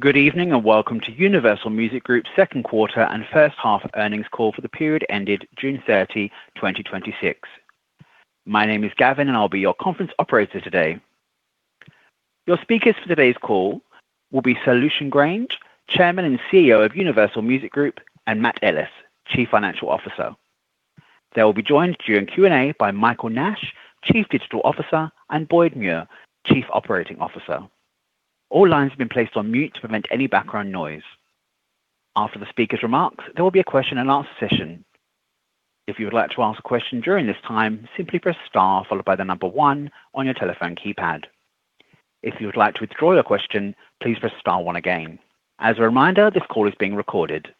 Good evening, and welcome to Universal Music Group's second quarter and first half earnings call for the period ended June 30, 2026. My name is Gavin, and I'll be your conference operator today. Your speakers for today's call will be Lucian Grainge, Chairman and CEO of Universal Music Group, and Matt Ellis, Chief Financial Officer. They will be joined during Q&A by Michael Nash, Chief Digital Officer, and Boyd Muir, Chief Operating Officer. All lines have been placed on mute to prevent any background noise. After the speaker's remarks, there will be a question and answer session. If you would like to ask a question during this time, simply press star followed by the number 1 on your telephone keypad. If you would like to withdraw your question, please press star one again. As a reminder, this call is being recorded.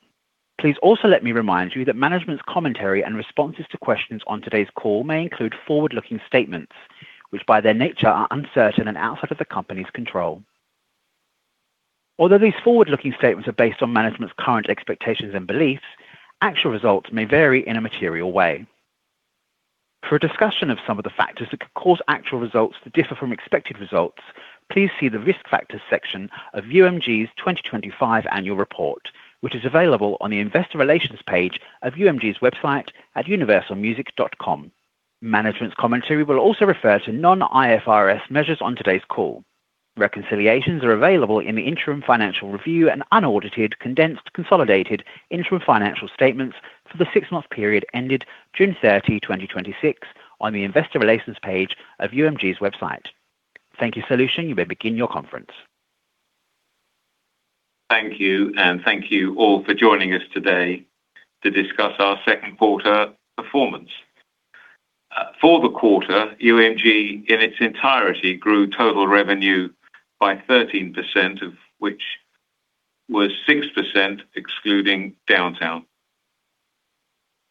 Please also let me remind you that management's commentary and responses to questions on today's call may include forward-looking statements, which by their nature are uncertain and outside of the company's control. Although these forward-looking statements are based on management's current expectations and beliefs, actual results may vary in a material way. For a discussion of some of the factors that could cause actual results to differ from expected results, please see the Risk Factors section of UMG's 2025 annual report, which is available on the investor relations page of UMG's website at universalmusic.com. Management's commentary will also refer to non-IFRS measures on today's call. Reconciliations are available in the interim financial review and unaudited, condensed, consolidated interim financial statements for the six-month period ended June 30, 2026, on the investor relations page of UMG's website. Thank you, Lucian, you may begin your conference. Thank you. Thank you all for joining us today to discuss our second quarter performance. For the quarter, UMG, in its entirety, grew total revenue by 13%, of which was 6% excluding Downtown.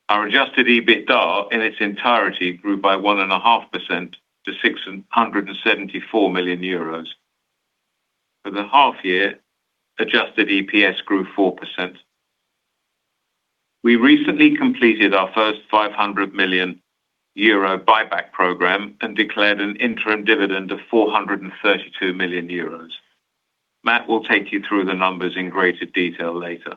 Our adjusted EBITDA in its entirety grew by 1.5% to 674 million euros. For the half year, adjusted EPS grew 4%. We recently completed our first 500 million euro buyback program and declared an interim dividend of 432 million euros. Matt will take you through the numbers in greater detail later.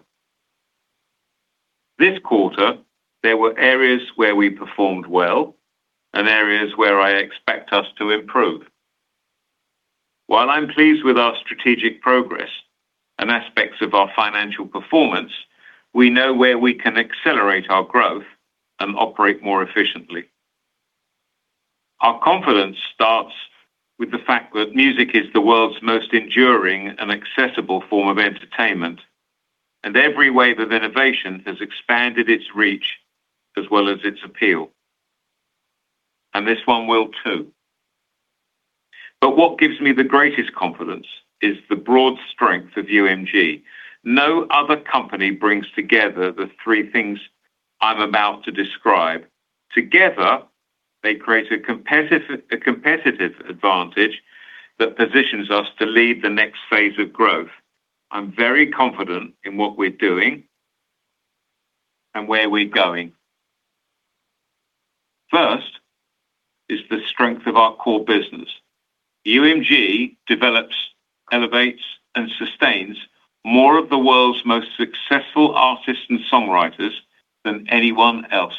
This quarter, there were areas where we performed well and areas where I expect us to improve. While I'm pleased with our strategic progress and aspects of our financial performance, we know where we can accelerate our growth and operate more efficiently. Our confidence starts with the fact that music is the world's most enduring and accessible form of entertainment, and every wave of innovation has expanded its reach as well as its appeal, and this one will, too. What gives me the greatest confidence is the broad strength of UMG. No other company brings together the three things I'm about to describe. Together, they create a competitive advantage that positions us to lead the next phase of growth. I'm very confident in what we're doing and where we're going. First is the strength of our core business. UMG develops, elevates, and sustains more of the world's most successful artists and songwriters than anyone else.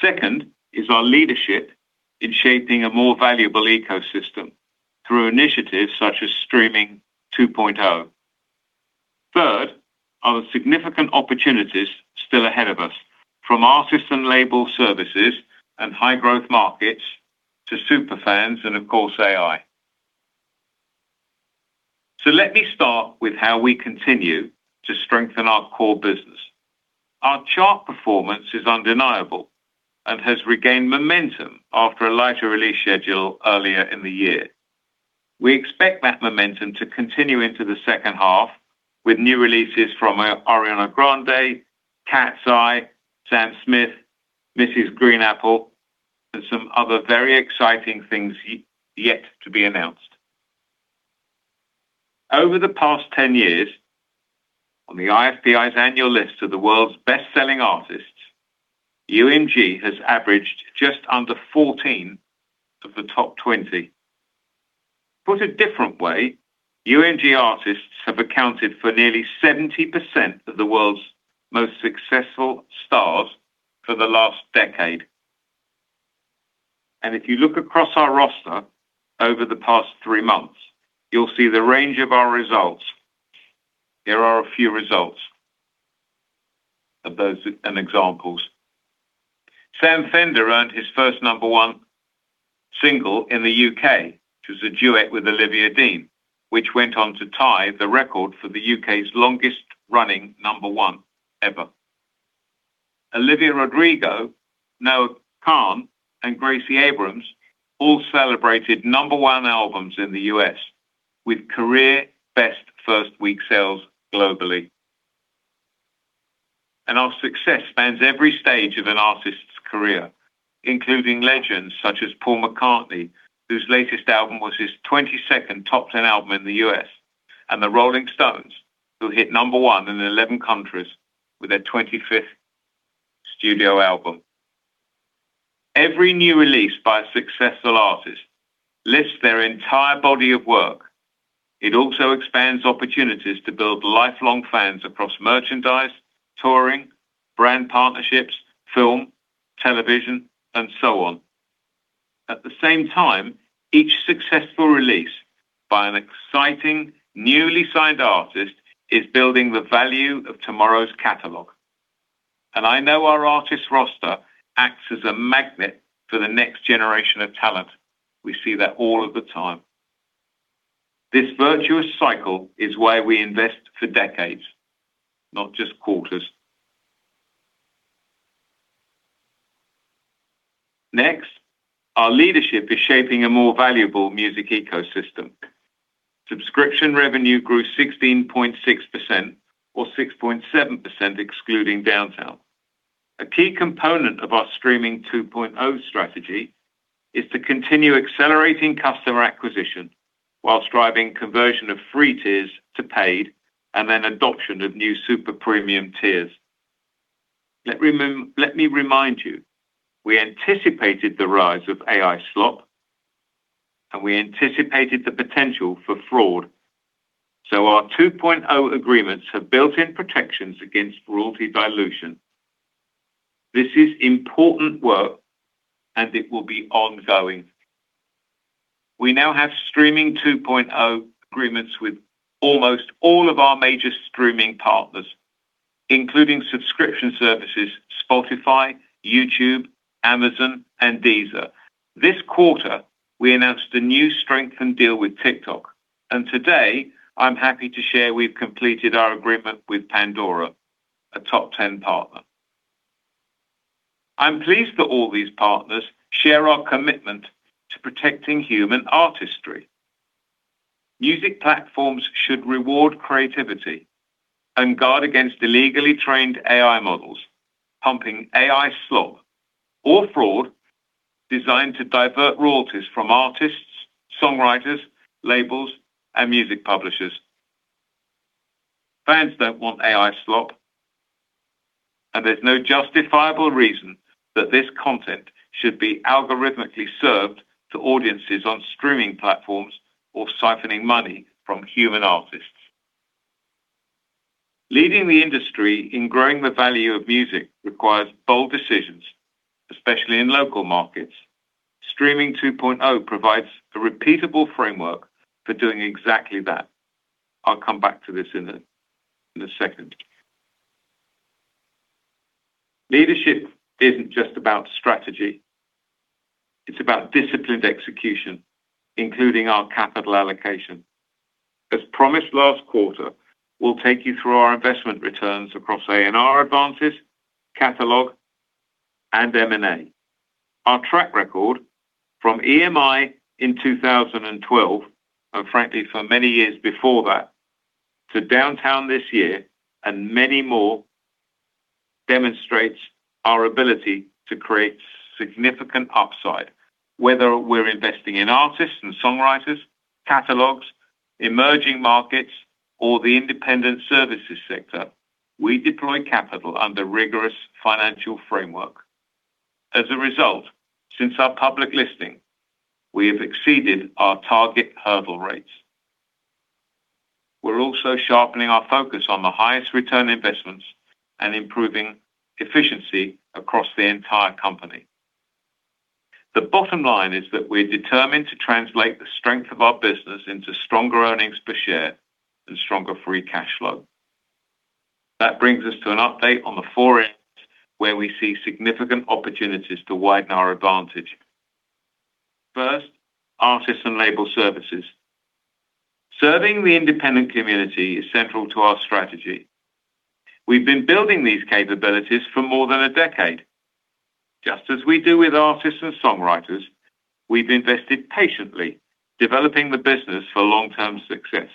Second is our leadership in shaping a more valuable ecosystem through initiatives such as Streaming 2.0. Third are the significant opportunities still ahead of us from artists and label services and high-growth markets to super fans and, of course, AI. Let me start with how we continue to strengthen our core business. Our chart performance is undeniable and has regained momentum after a lighter release schedule earlier in the year. We expect that momentum to continue into the second half with new releases from Ariana Grande, KATSEYE, Sam Smith, Mrs. GREEN APPLE, and some other very exciting things yet to be announced. Over the past 10 years, on the IFPI's annual list of the world's best-selling artists, UMG has averaged just under 14 of the top 20. Put a different way, UMG artists have accounted for nearly 70% of the world's most successful stars for the last decade. If you look across our roster over the past three months, you'll see the range of our results. Here are a few results of those and examples. Sam Fender earned his first number one single in the U.K., which was a duet with Olivia Dean, which went on to tie the record for the U.K.'s longest-running number one ever. Olivia Rodrigo, Noah Kahan, and Gracie Abrams all celebrated number one albums in the U.S. with career-best first-week sales globally. Our success spans every stage of an artist's career, including legends such as Paul McCartney, whose latest album was his 22nd top-10 album in the U.S., and The Rolling Stones, who hit number one in 11 countries with their 25th studio album. Every new release by a successful artist lists their entire body of work. It also expands opportunities to build lifelong fans across merchandise, touring, brand partnerships, film, television, and so on. At the same time, each successful release by an exciting, newly signed artist is building the value of tomorrow's catalog. I know our artist roster acts as a magnet for the next generation of talent. We see that all of the time. This virtuous cycle is why we invest for decades, not just quarters. Next, our leadership is shaping a more valuable music ecosystem. Subscription revenue grew 16.6%, or 6.7% excluding Downtown. A key component of our Streaming 2.0 strategy is to continue accelerating customer acquisition whilst driving conversion of free tiers to paid, and then adoption of new super premium tiers. Let me remind you, we anticipated the rise of AI slop, and we anticipated the potential for fraud, so our 2.0 agreements have built-in protections against royalty dilution. This is important work and it will be ongoing. We now have Streaming 2.0 agreements with almost all of our major streaming partners, including subscription services Spotify, YouTube, Amazon, and Deezer. This quarter, we announced a new strengthened deal with TikTok, and today, I'm happy to share we've completed our agreement with Pandora, a top 10 partner. I'm pleased that all these partners share our commitment to protecting human artistry. Music platforms should reward creativity and guard against illegally trained AI models, pumping AI slop or fraud designed to divert royalties from artists, songwriters, labels, and music publishers. Fans don't want AI slop. There's no justifiable reason that this content should be algorithmically served to audiences on streaming platforms or siphoning money from human artists. Leading the industry in growing the value of music requires bold decisions, especially in local markets. Streaming 2.0 provides a repeatable framework for doing exactly that. I'll come back to this in a second. Leadership isn't just about strategy. It's about disciplined execution, including our capital allocation. As promised last quarter, we'll take you through our investment returns across A&R advances, catalog, and M&A. Our track record from EMI in 2012, and frankly, for many years before that, to Downtown this year and many more, demonstrates our ability to create significant upside. Whether we're investing in artists and songwriters, catalogs, emerging markets, or the independent services sector, we deploy capital under rigorous financial framework. As a result, since our public listing, we have exceeded our target hurdle rates. We're also sharpening our focus on the highest return investments and improving efficiency across the entire company. The bottom line is that we're determined to translate the strength of our business into stronger earnings per share and stronger free cash flow. That brings us to an update on the four areas where we see significant opportunities to widen our advantage. First, artists and label services. Serving the independent community is central to our strategy. We've been building these capabilities for more than a decade. Just as we do with artists and songwriters, we've invested patiently, developing the business for long-term success.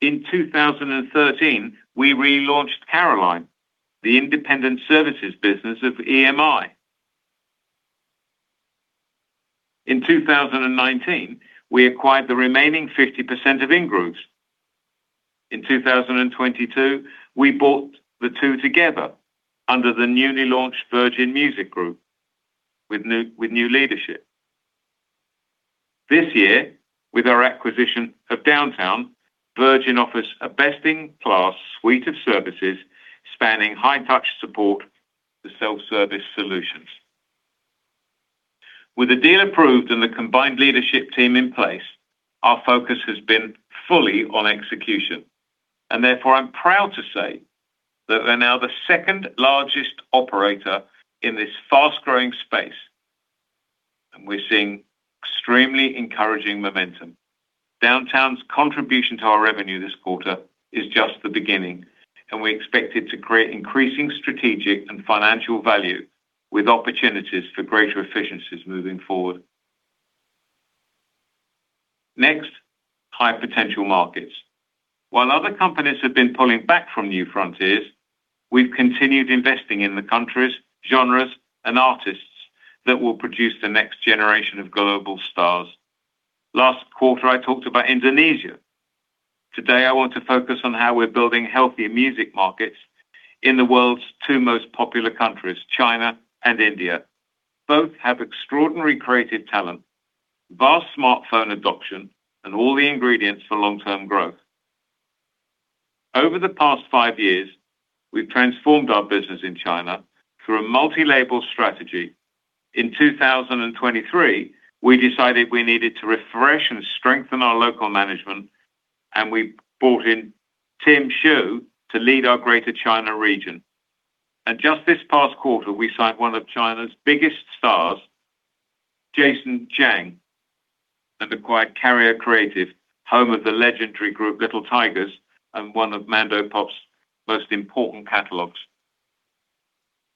In 2013, we relaunched Caroline, the independent services business of EMI. In 2019, we acquired the remaining 50% of Ingrooves. In 2022, we brought the two together under the newly launched Virgin Music Group with new leadership. This year, with our acquisition of Downtown, Virgin offers a best-in-class suite of services spanning high-touch support to self-service solutions. With the deal approved and the combined leadership team in place, our focus has been fully on execution. Therefore, I'm proud to say that we're now the second-largest operator in this fast-growing space, and we're seeing extremely encouraging momentum. Downtown's contribution to our revenue this quarter is just the beginning, and we expect it to create increasing strategic and financial value with opportunities for greater efficiencies moving forward. Next, high-potential markets. While other companies have been pulling back from new frontiers, we've continued investing in the countries, genres, and artists that will produce the next generation of global stars. Last quarter, I talked about Indonesia. Today, I want to focus on how we're building healthier music markets in the world's two most popular countries, China and India. Both have extraordinary creative talent, vast smartphone adoption, and all the ingredients for long-term growth. Over the past five years, we've transformed our business in China through a multi-label strategy. In 2023, we decided we needed to refresh and strengthen our local management, and we brought in Tim Xu to lead our Greater China region. Just this past quarter, we signed one of China's biggest stars, Jason Zhang, and acquired Carrier Creative, home of the legendary group Little Tigers and one of Mandopop's most important catalogs.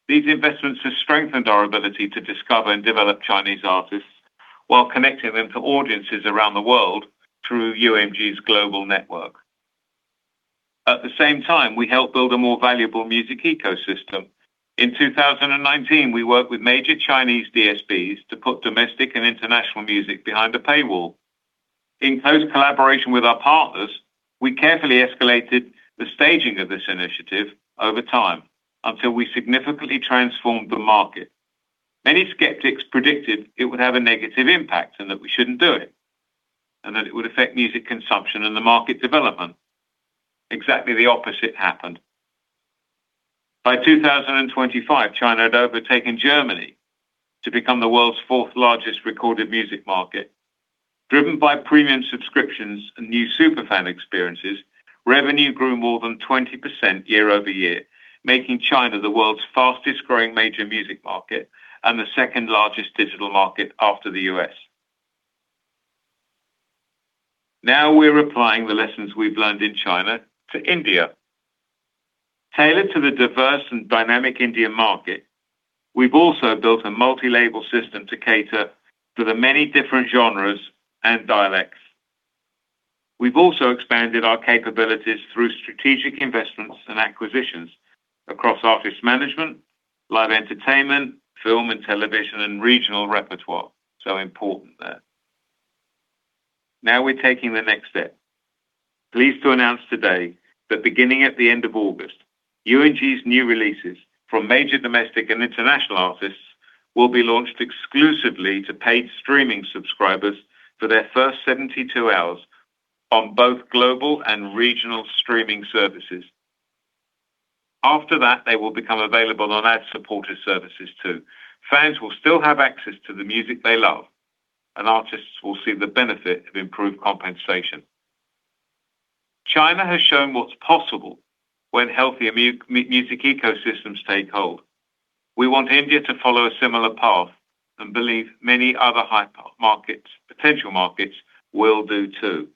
These investments have strengthened our ability to discover and develop Chinese artists while connecting them to audiences around the world through UMG's global network. At the same time, we helped build a more valuable music ecosystem. In 2019, we worked with major Chinese DSPs to put domestic and international music behind a paywall. In close collaboration with our partners, we carefully escalated the staging of this initiative over time until we significantly transformed the market. Many skeptics predicted it would have a negative impact, and that we shouldn't do it, and that it would affect music consumption and the market development. Exactly the opposite happened. By 2025, China had overtaken Germany to become the world's fourth-largest recorded music market. Driven by premium subscriptions and new super fan experiences, revenue grew more than 20% year-over-year, making China the world's fastest-growing major music market and the second-largest digital market after the U.S. We're applying the lessons we've learned in China to India. Tailored to the diverse and dynamic Indian market, we've also built a multi-label system to cater to the many different genres and dialects. We've also expanded our capabilities through strategic investments and acquisitions across artist management, live entertainment, film and television, and regional repertoire. Important there. We're taking the next step. Pleased to announce today that beginning at the end of August, UMG's new releases from major domestic and international artists will be launched exclusively to paid streaming subscribers for their first 72 hours on both global and regional streaming services. After that, they will become available on ad-supported services too. Fans will still have access to the music they love, and artists will see the benefit of improved compensation. China has shown what's possible when healthier music ecosystems take hold. We want India to follow a similar path and believe many other potential markets will do too.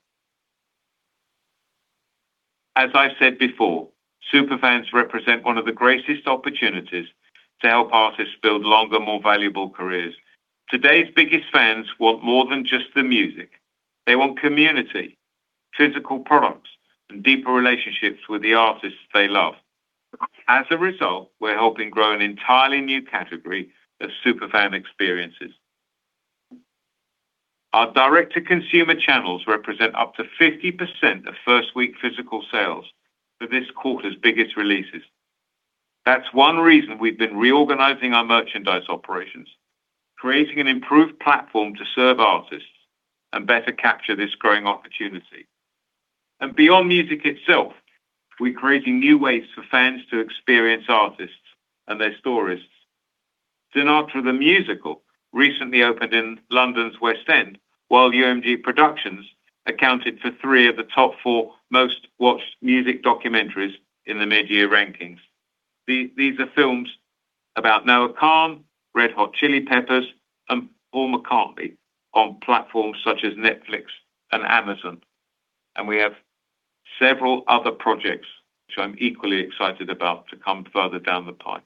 As I said before, super fans represent one of the greatest opportunities to help artists build longer, more valuable careers. Today's biggest fans want more than just the music. They want community, physical products, and deeper relationships with the artists they love. As a result, we're helping grow an entirely new category of super fan experiences. Our direct-to-consumer channels represent up to 50% of first-week physical sales for this quarter's biggest releases. That's one reason we've been reorganizing our merchandise operations, creating an improved platform to serve artists and better capture this growing opportunity. Beyond music itself, we're creating new ways for fans to experience artists and their stories. "Diana: The Musical" recently opened in London's West End, while Polygram Entertainment accounted for three of the top four most-watched music documentaries in the mid-year rankings. These are films about Noah Kahan, Red Hot Chili Peppers, and Paul McCartney on platforms such as Netflix and Amazon. We have several other projects, which I'm equally excited about, to come further down the pipe.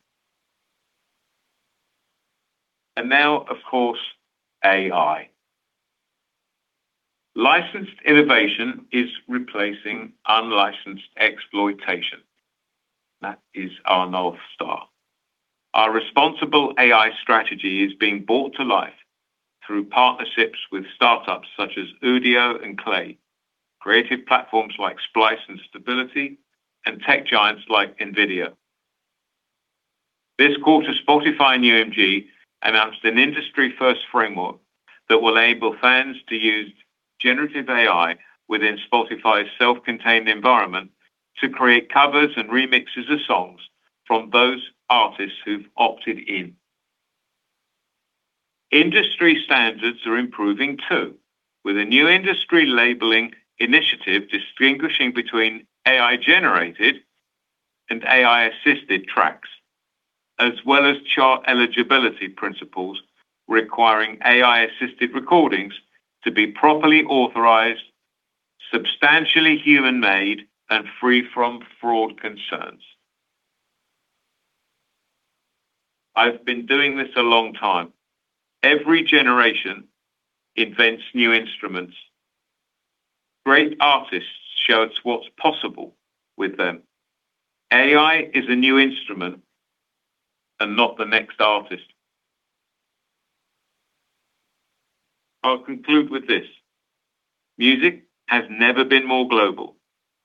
Now, of course, AI. Licensed innovation is replacing unlicensed exploitation. That is our North Star. Our responsible AI strategy is being brought to life through partnerships with startups such as Udio and KLAY Vision Inc., creative platforms like Splice and Stability AI, and tech giants like NVIDIA. This quarter, Spotify and UMG announced an industry-first framework that will enable fans to use generative AI within Spotify's self-contained environment to create covers and remixes of songs from those artists who've opted in. Industry standards are improving, too, with a new industry labeling initiative distinguishing between AI-generated and AI-assisted tracks, as well as chart eligibility principles requiring AI-assisted recordings to be properly authorized, substantially human-made, and free from fraud concerns. I've been doing this a long time. Every generation invents new instruments. Great artists show us what's possible with them. AI is a new instrument and not the next artist. I'll conclude with this. Music has never been more global.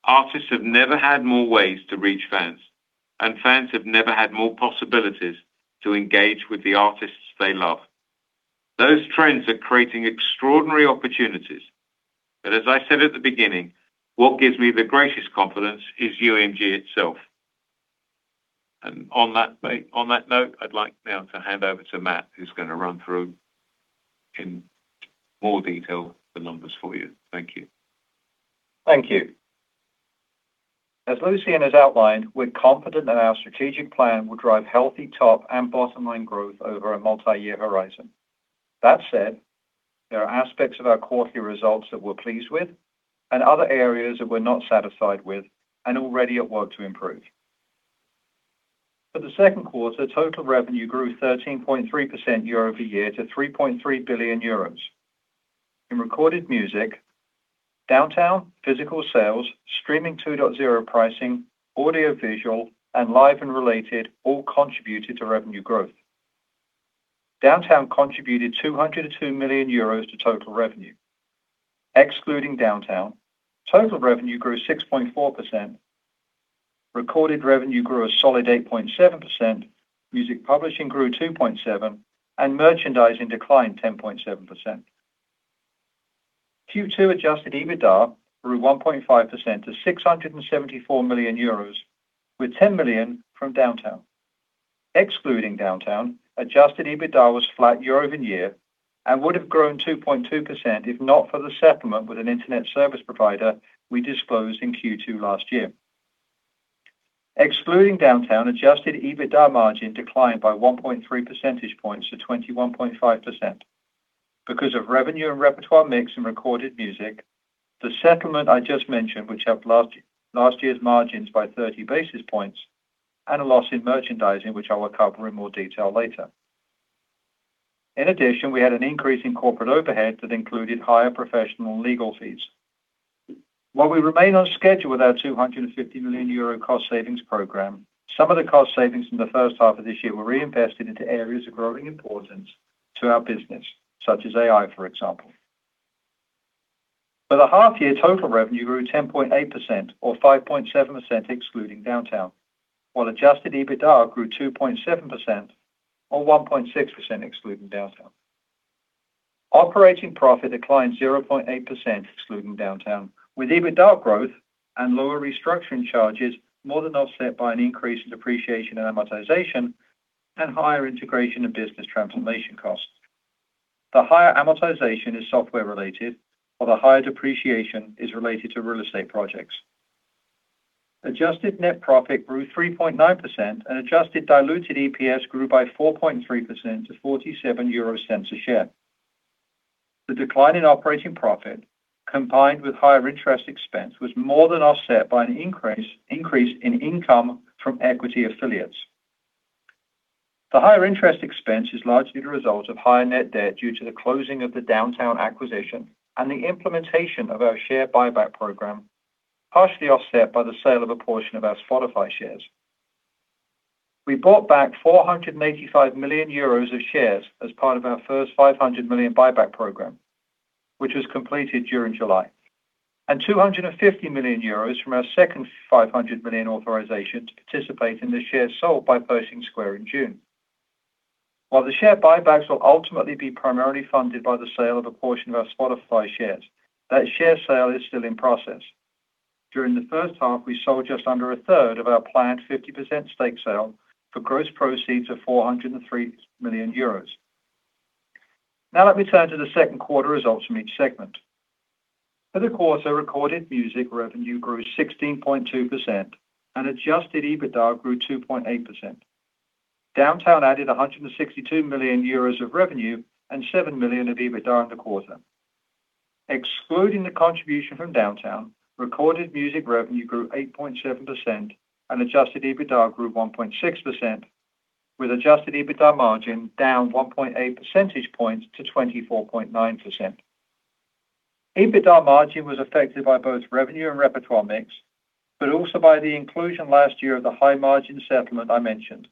Artists have never had more ways to reach fans, and fans have never had more possibilities to engage with the artists they love. Those trends are creating extraordinary opportunities, but as I said at the beginning, what gives me the greatest confidence is UMG itself. On that note, I'd like now to hand over to Matt, who's going to run through in more detail the numbers for you. Thank you. Thank you. As Lucian has outlined, we're confident that our strategic plan will drive healthy top and bottom-line growth over a multi-year horizon. That said, there are aspects of our quarterly results that we're pleased with and other areas that we're not satisfied with and are ready at work to improve. For the second quarter, total revenue grew 13.3% year-over-year to 3.3 billion euros. In recorded music, Downtown, physical sales, Streaming 2.0 pricing, audiovisual, and live and related all contributed to revenue growth. Downtown contributed €202 million to total revenue. Excluding Downtown, total revenue grew 6.4%, recorded revenue grew a solid 8.7%, music publishing grew 2.7%, and merchandising declined 10.7%. Q2 adjusted EBITDA grew 1.5% to 674 million euros, with 10 million from Downtown. Excluding Downtown, adjusted EBITDA was flat year-over-year and would have grown 2.2% if not for the settlement with an internet service provider we disclosed in Q2 last year. Excluding Downtown, adjusted EBITDA margin declined by 1.3 percentage points to 21.5%. Because of revenue and repertoire mix in recorded music, the settlement I just mentioned, which helped last year's margins by 30 basis points, and a loss in merchandising, which I will cover in more detail later. In addition, we had an increase in corporate overhead that included higher professional legal fees. While we remain on schedule with our 250 million euro cost savings program, some of the cost savings from the first half of this year were reinvested into areas of growing importance to our business, such as AI, for example. For the half-year, total revenue grew 10.8%, or 5.7% excluding Downtown. Adjusted EBITDA grew 2.7%, or 1.6% excluding Downtown. Operating profit declined 0.8% excluding Downtown, with EBITDA growth and lower restructuring charges more than offset by an increase in depreciation and amortization and higher integration of business transformation costs. The higher amortization is software-related, while the higher depreciation is related to real estate projects. Adjusted net profit grew 3.9%. Adjusted diluted EPS grew by 4.3% to 0.47 a share. The decline in operating profit, combined with higher interest expense, was more than offset by an increase in income from equity affiliates. The higher interest expense is largely the result of higher net debt due to the closing of the Downtown acquisition and the implementation of our share buyback program, partially offset by the sale of a portion of our Spotify shares. We bought back 485 million euros of shares as part of our first 500 million buyback program, which was completed during July, and 250 million euros from our second 500 million authorization to participate in the shares sold by Pershing Square in June. While the share buybacks will ultimately be primarily funded by the sale of a portion of our Spotify shares, that share sale is still in process. During the first half, we sold just under a third of our planned 50% stake sale for gross proceeds of 403 million euros. Let me turn to the second quarter results from each segment. For the quarter, recorded music revenue grew 16.2%, and adjusted EBITDA grew 2.8%. Downtown added 162 million euros of revenue and 7 million of EBITDA in the quarter. Excluding the contribution from Downtown, recorded music revenue grew 8.7%, and adjusted EBITDA grew 1.6%, with adjusted EBITDA margin down 1.8 percentage points to 24.9%. EBITDA margin was affected by both revenue and repertoire mix, but also by the inclusion last year of the high-margin settlement I mentioned.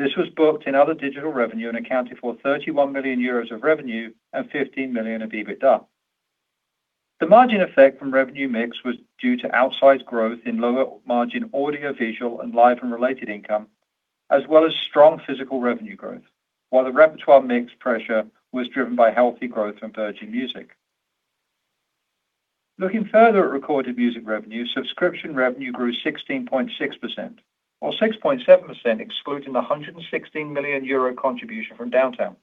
This was booked in other digital revenue and accounted for 31 million euros of revenue and 15 million of EBITDA. The margin effect from revenue mix was due to outsized growth in lower-margin audiovisual and live and related income, as well as strong physical revenue growth. The repertoire mix pressure was driven by healthy growth in Virgin Music. Looking further at recorded music revenue, subscription revenue grew 16.6%, or 6.7% excluding the 116 million euro contribution from Downtown.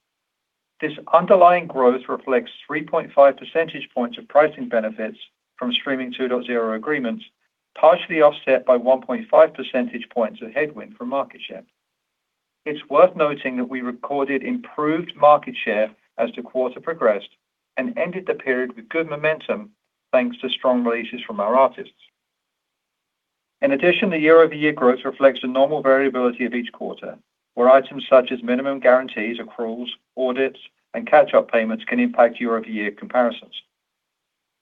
This underlying growth reflects 3.5 percentage points of pricing benefits from Streaming 2.0 agreements, partially offset by 1.5 percentage points of headwind from market share. It's worth noting that we recorded improved market share as the quarter progressed and ended the period with good momentum, thanks to strong releases from our artists. In addition, the year-over-year growth reflects the normal variability of each quarter, where items such as minimum guarantees, accruals, audits, and catch-up payments can impact year-over-year comparisons.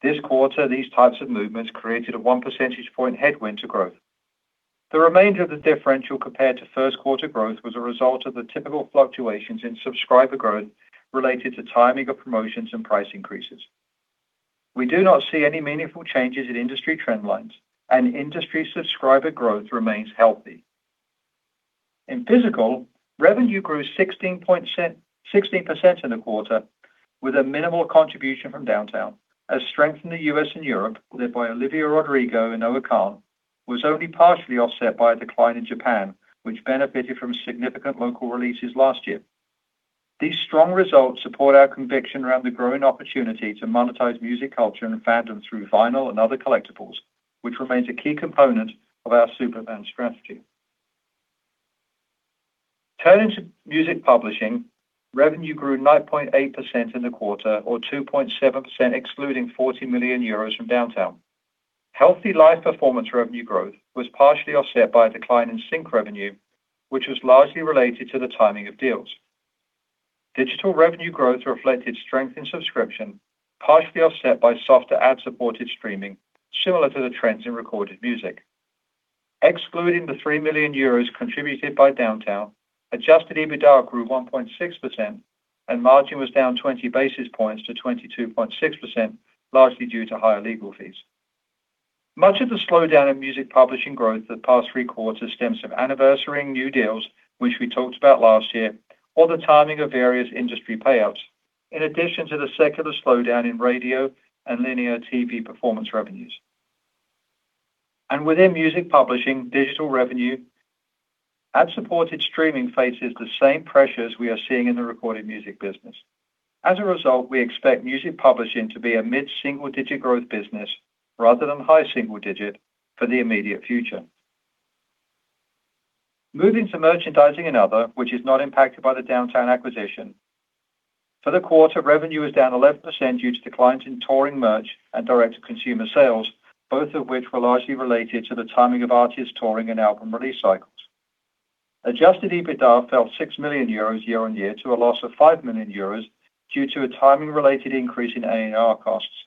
This quarter, these types of movements created a one percentage point headwind to growth. The remainder of the differential compared to first quarter growth was a result of the typical fluctuations in subscriber growth related to timing of promotions and price increases. We do not see any meaningful changes in industry trend lines, and industry subscriber growth remains healthy. In physical, revenue grew 16% in the quarter with a minimal contribution from Downtown, as strength in the U.S. and Europe, led by Olivia Rodrigo and Noah Kahan, was only partially offset by a decline in Japan, which benefited from significant local releases last year. These strong results support our conviction around the growing opportunity to monetize music culture and fandom through vinyl and other collectibles, which remains a key component of our Superfan strategy. Turning to Music Publishing, revenue grew 9.8% in the quarter or 2.7% excluding 40 million euros from Downtown. Healthy live performance revenue growth was partially offset by a decline in sync revenue, which was largely related to the timing of deals. Digital revenue growth reflected strength in subscription, partially offset by softer ad-supported streaming, similar to the trends in Recorded Music. Excluding the 3 million euros contributed by Downtown, adjusted EBITDA grew 1.6%, and margin was down 20 basis points to 22.6%, largely due to higher legal fees. Much of the slowdown in Music Publishing growth the past three quarters stems of anniversaring new deals, which we talked about last year, or the timing of various industry payouts, in addition to the secular slowdown in radio and linear TV performance revenues. Within Music Publishing digital revenue, ad-supported streaming faces the same pressures we are seeing in the Recorded Music business. As a result, we expect Music Publishing to be a mid-single-digit growth business rather than high single digit for the immediate future. Moving to Merchandising and Other, which is not impacted by the Downtown acquisition. For the quarter, revenue was down 11% due to declines in touring merch and direct-to-consumer sales, both of which were largely related to the timing of artists' touring and album release cycles. Adjusted EBITDA fell 6 million euros year-on-year to a loss of 5 million euros due to a timing-related increase in A&R costs.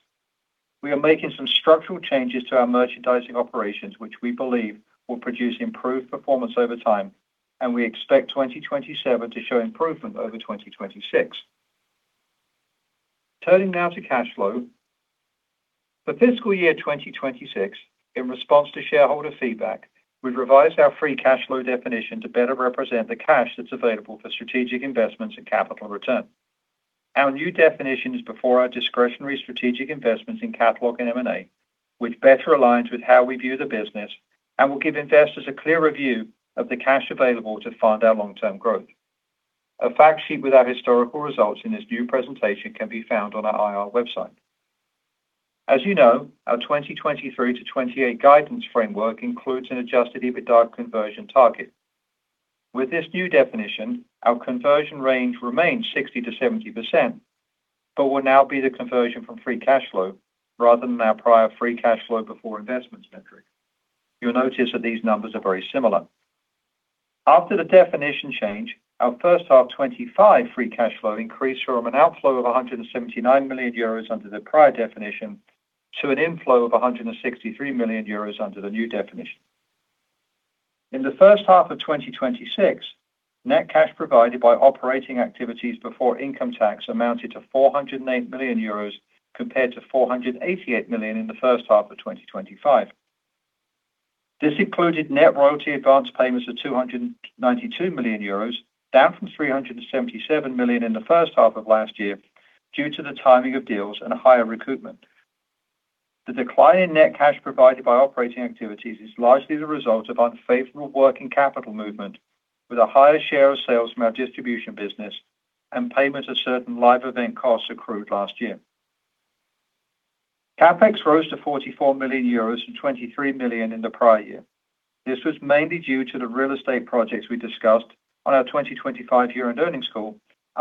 We are making some structural changes to our merchandising operations, which we believe will produce improved performance over time. We expect 2027 to show improvement over 2026. Turning now to cash flow. For fiscal year 2026, in response to shareholder feedback, we've revised our free cash flow definition to better represent the cash that's available for strategic investments and capital return. Our new definition is before our discretionary strategic investments in catalog and M&A, which better aligns with how we view the business and will give investors a clearer view of the cash available to fund our long-term growth. A fact sheet with our historical results in this new presentation can be found on our IR website. As you know, our 2023-2028 guidance framework includes an adjusted EBITDA conversion target. With this new definition, our conversion range remains 60%-70%, but will now be the conversion from free cash flow rather than our prior free cash flow before investments metric. You'll notice that these numbers are very similar. After the definition change, our first half 2025 free cash flow increased from an outflow of 179 million euros under the prior definition to an inflow of 163 million euros under the new definition. In the first half of 2026, net cash provided by operating activities before income tax amounted to 408 million euros compared to 488 million in the first half of 2025. This included net royalty advance payments of 292 million euros, down from 377 million in the first half of last year due to the timing of deals and higher recoupment. The decline in net cash provided by operating activities is largely the result of unfavorable working capital movement with a higher share of sales from our distribution business and payment of certain live event costs accrued last year. CapEx rose to 44 million euros from 23 million in the prior year. This was mainly due to the real estate projects we discussed on our 2025 year-end earnings call.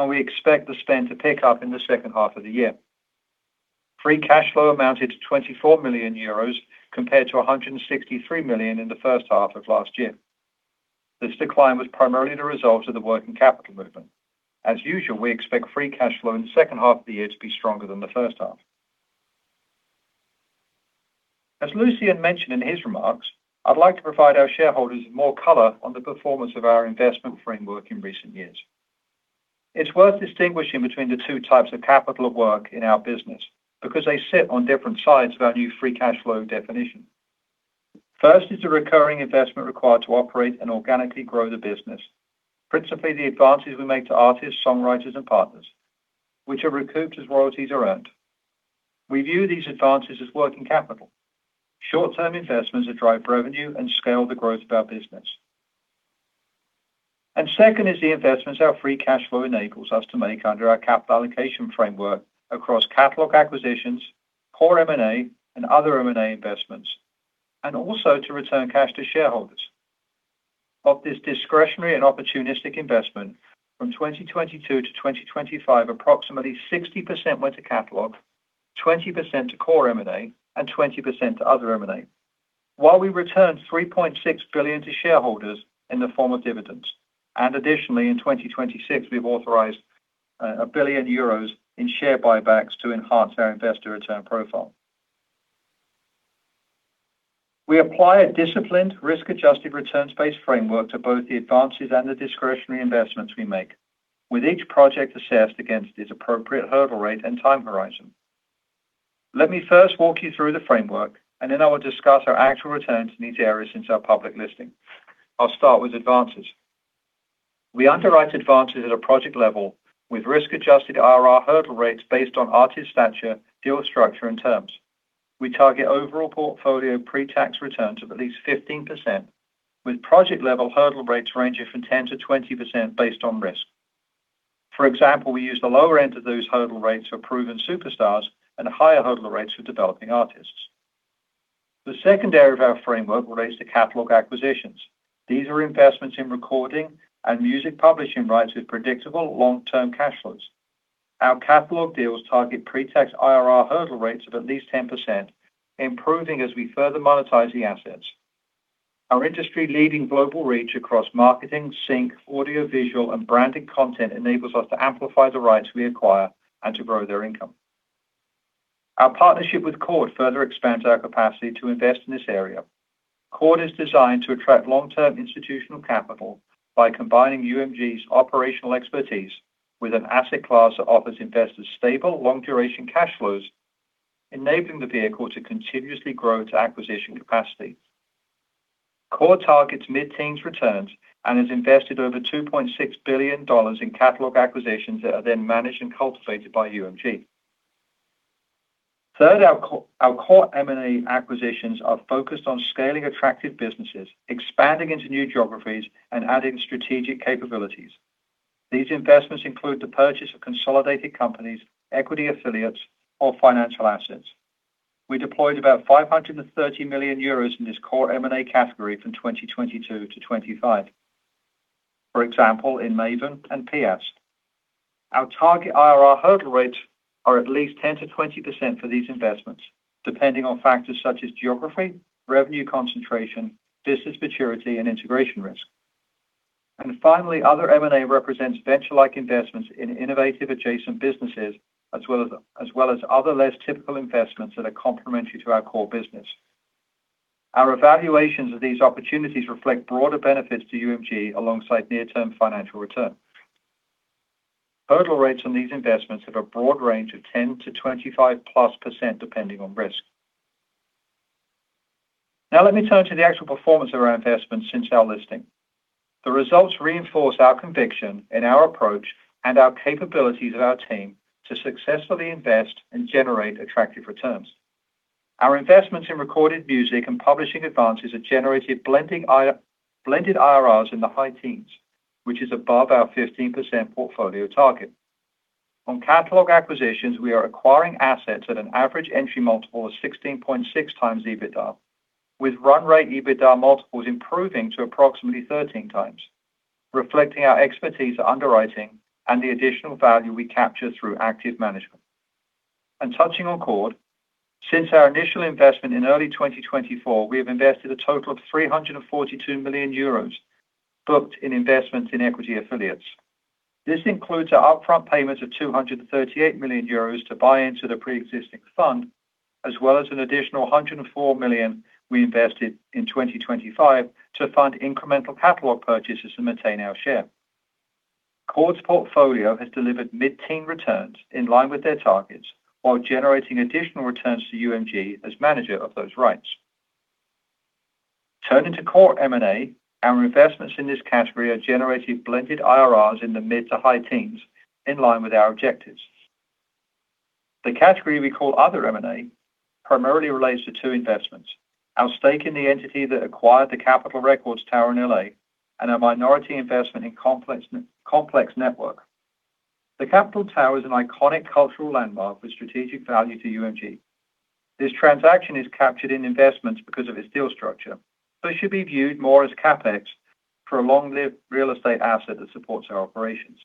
We expect the spend to pick up in the second half of the year. Free cash flow amounted to 24 million euros compared to 163 million in the first half of last year. This decline was primarily the result of the working capital movement. As usual, we expect free cash flow in the second half of the year to be stronger than the first half. As Lucian mentioned in his remarks, I'd like to provide our shareholders more color on the performance of our investment framework in recent years. It's worth distinguishing between the two types of capital at work in our business because they sit on different sides of our new free cash flow definition. First is the recurring investment required to operate and organically grow the business. Principally, the advances we make to artists, songwriters, and partners, which are recouped as royalties are earned. We view these advances as working capital, short-term investments that drive revenue and scale the growth of our business. Second is the investments our free cash flow enables us to make under our capital allocation framework across catalog acquisitions, core M&A, and other M&A investments, and also to return cash to shareholders. Of this discretionary and opportunistic investment from 2022-2025, approximately 60% went to catalog, 20% to core M&A, and 20% to other M&A. While we returned 3.6 billion to shareholders in the form of dividends, and additionally in 2026, we have authorized 1 billion euros in share buybacks to enhance our investor return profile. We apply a disciplined, risk-adjusted returns-based framework to both the advances and the discretionary investments we make, with each project assessed against its appropriate hurdle rate and time horizon. Let me first walk you through the framework, and then I will discuss our actual returns in each area since our public listing. I'll start with advances. We underwrite advances at a project level with risk-adjusted IRR hurdle rates based on artist stature, deal structure, and terms. We target overall portfolio pre-tax returns of at least 15%, with project-level hurdle rates ranging from 10%-20% based on risk. For example, we use the lower end of those hurdle rates for proven superstars and higher hurdle rates for developing artists. The second area of our framework relates to catalog acquisitions. These are investments in recording and music publishing rights with predictable long-term cash flows. Our catalog deals target pre-tax IRR hurdle rates of at least 10%, improving as we further monetize the assets. Our industry-leading global reach across marketing, sync, audiovisual, and branded content enables us to amplify the rights we acquire and to grow their income. Our partnership with Chord further expands our capacity to invest in this area. Chord is designed to attract long-term institutional capital by combining UMG's operational expertise with an asset class that offers investors stable, long-duration cash flows, enabling the vehicle to continuously grow its acquisition capacity. Chord targets mid-teens returns and has invested over $2.6 billion in catalog acquisitions that are then managed and cultivated by UMG. Third, our core M&A acquisitions are focused on scaling attractive businesses, expanding into new geographies, and adding strategic capabilities. These investments include the purchase of consolidated companies, equity affiliates, or financial assets. We deployed about 530 million euros in this core M&A category from 2022 to 2025, for example, in Mavin and PS. Our target IRR hurdle rates are at least 10%-20% for these investments, depending on factors such as geography, revenue concentration, business maturity, and integration risk. Other M&A represents venture-like investments in innovative adjacent businesses, as well as other less typical investments that are complementary to our core business. Our evaluations of these opportunities reflect broader benefits to UMG alongside near-term financial return. Hurdle rates on these investments have a broad range of 10%-25%+, depending on risk. Let me turn to the actual performance of our investments since our listing. The results reinforce our conviction in our approach and our capabilities of our team to successfully invest and generate attractive returns. Our investments in recorded music and publishing advances have generated blended IRRs in the high teens, which is above our 15% portfolio target. On catalog acquisitions, we are acquiring assets at an average entry multiple of 16.6x EBITDA, with run rate EBITDA multiples improving to approximately 13x, reflecting our expertise at underwriting and the additional value we capture through active management. Touching on Chord, since our initial investment in early 2024, we have invested a total of 342 million euros booked in investments in equity affiliates. This includes our upfront payment of 238 million euros to buy into the preexisting fund, as well as an additional 104 million we invested in 2025 to fund incremental catalog purchases to maintain our share. Chord's portfolio has delivered mid-teen returns in line with their targets while generating additional returns to UMG as manager of those rights. Turning to core M&A, our investments in this category have generated blended IRRs in the mid to high teens, in line with our objectives. The category we call other M&A primarily relates to two investments, our stake in the entity that acquired the Capitol Records tower in L.A. and our minority investment in Complex Networks. The Capitol tower is an iconic cultural landmark with strategic value to UMG. This transaction is captured in investments because of its deal structure, so it should be viewed more as CapEx for a long-lived real estate asset that supports our operations.